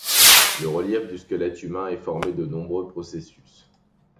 Le relief du squelette humain est formé de nombreux processus.